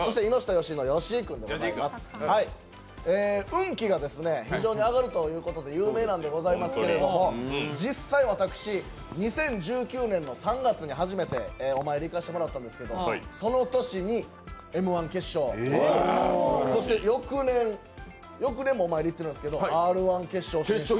運気が非常に上がるということで有名なんでございますけれども実際私、２０１９年の３月に初めてお参り行かしてもらったんですけどその年にＭ−１決勝、そして翌年もお参り行ってるんですけど、Ｒ−１決勝。